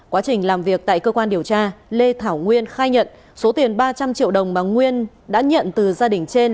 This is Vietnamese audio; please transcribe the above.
quá trình làm việc tại cơ quan điều tra lê thảo nguyên khai nhận số tiền ba trăm linh triệu đồng mà nguyên đã nhận từ gia đình trên